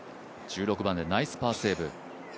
１６番でナイスパーセーブ。